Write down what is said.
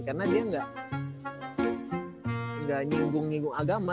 karena dia gak nyinggung nyinggung agama